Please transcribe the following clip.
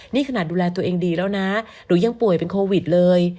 นี่ขนาดดูแลตัวเองดีแล้วนะหนูยังป่วยเป็นโควิดเลย